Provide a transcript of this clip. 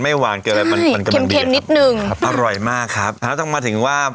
ไม่วางเกินใช่มันเก็มนิดนึงอร่อยมากครับถังต้องมาถึงว่า